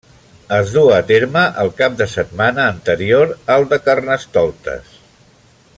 Es du a terme el cap de setmana anterior al de Carnestoltes.